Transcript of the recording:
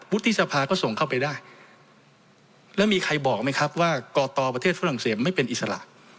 สภาก็ส่งเข้าไปได้แล้วมีใครบอกไหมครับว่ากตประเทศฝรั่งเศสไม่เป็นอิสระ